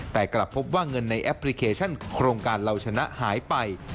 แต่กลับพบว่าเงินในแอปพลิเคชันโครงการเราชนะหายไป